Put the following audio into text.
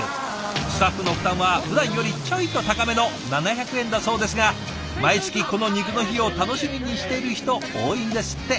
スタッフの負担はふだんよりちょいと高めの７００円だそうですが毎月このニクの日を楽しみにしている人多いんですって。